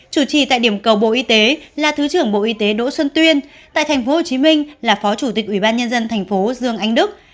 chủ trì tại điểm cầu bộ y tế là thứ trưởng bộ y tế đỗ xuân tuyên tại tp hcm là phó chủ tịch ủy ban nhân dân thành phố dương anh đức